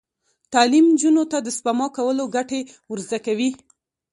تعلیم نجونو ته د سپما کولو ګټې ور زده کوي.